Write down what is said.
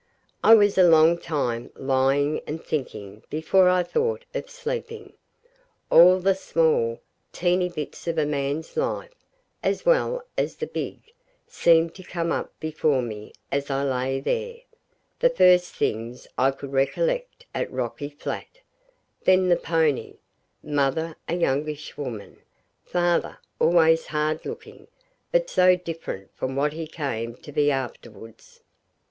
I was a long time lying and thinking before I thought of sleeping. All the small, teeny bits of a man's life, as well as the big, seemed to come up before me as I lay there the first things I could recollect at Rocky Flat; then the pony; mother a youngish woman; father always hard looking, but so different from what he came to be afterwards.